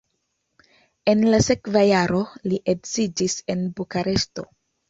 En la sekva jaro li edziĝis en Bukareŝto.